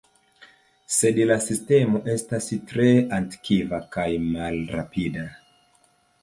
Sed la sistemo estas tre antikva kaj malrapida.